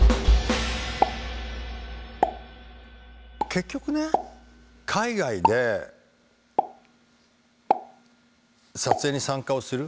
結局ね海外で撮影に参加をする。